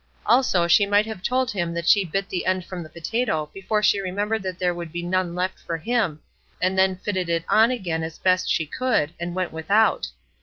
Also, she might have told him that she bit the end from the potato before she remembered that there would be none left for him, and then fitted it on again as best she could, and went without.